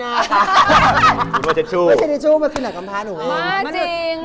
อ้าวนี่คือหนังกำพทาที่น่า